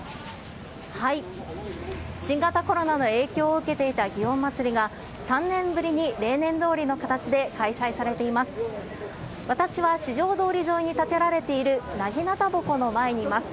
新型コロナの影響を受けていた祇園祭が、３年ぶりに例年どおりの形で開催されています。